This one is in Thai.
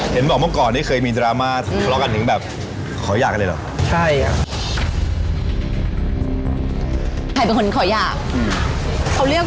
เป็นบัญชีอยู่เลย